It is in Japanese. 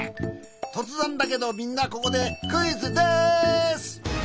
とつぜんだけどみんなここでクイズです！